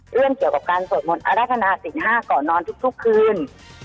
เรื่องเกี่ยวกับการสวดมนต์อรรถนาสิงห้าก่อนนอนทุกคืน